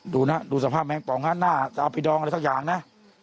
ดูนะดูสภาพแมงปองฮะหน้าจะเอาไปดองอะไรสักอย่างนะ